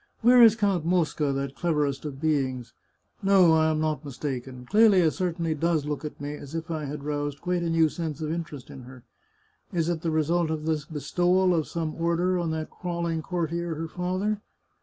Where is Count Mosca, that cleverest of beings? No, I am not mistaken, Clelia certainly does look at me as if I had roused quite a new sense of interest in her. Is it the result of the bestowal of some order on that crawling cour tier, her father